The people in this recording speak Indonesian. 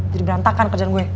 jadi berantakan kerjaan gue